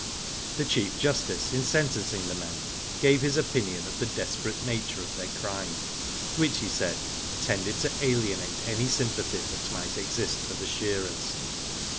The Chief Justice in sentencing the men gave his opinion of the desperate nature of their crime, which he said tended to alienate any sympathy that might exist for the shearers.